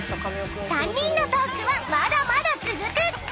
［３人のトークはまだまだ続く］